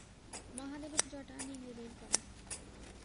মহাদেবের জটা নিংড়ে বের-করা।